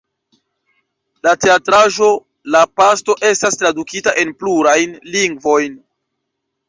La teatraĵo "La Pesto" estas tradukita en plurajn lingvojn.